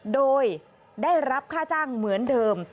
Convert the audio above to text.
โดยได้รับค่าจ้างเหมือนเดิม